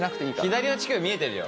左の乳首見えてるよ。